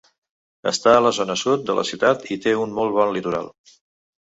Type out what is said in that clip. Està a la zona sud, de la ciutat i té un molt bon litoral.